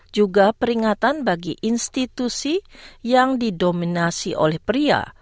juga peringatan bagi institusi yang didominasi oleh pria